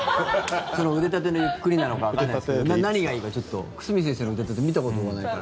腕立てのゆっくりなのかわからないですけど何がいいかちょっと久住先生の腕立て見たことがないから。